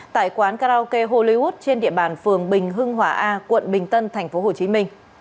tại quán karaoke hollywood trên địa bàn phường bình hưng hỏa a quận bình tân tp hcm